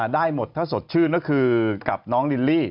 ได้หมดถ้าสดชื่นก็คือกับน้องลิลลี่